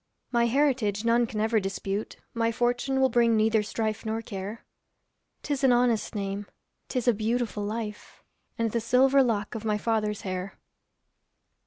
My heritage none can ever dispute, My fortune will bring neither strife nor care; 'Tis an honest name, 'tis a beautiful life, And the silver lock of my father's hair.